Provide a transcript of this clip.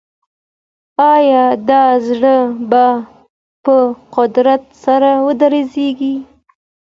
آیا دا زړه به په قوت سره ودرزیږي؟